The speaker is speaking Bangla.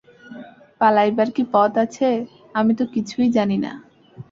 পালাইবার কী পথ আছে, আমি তো কিছুই জানি না।